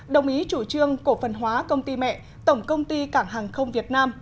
đồng ý chủ trương cổ phần hóa công ty mẹ tổng công ty cảng hàng không việt nam